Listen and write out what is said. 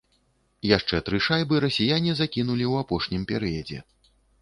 Яшчэ тры шайбы расіяне закінулі ў апошнім перыядзе.